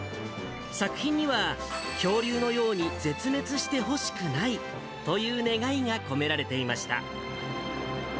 作品には、恐竜のように絶滅してほしくないという願いが込められていました。